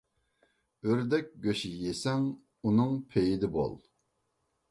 ئۆردەك گۆشى يېسەڭ، ئۇنىڭ پېيىدە بول.